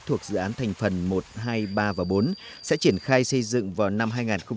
thuộc dự án thành phần một hai ba và bốn sẽ triển khai xây dựng vào năm hai nghìn một mươi bảy